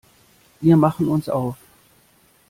Wir machen uns auf.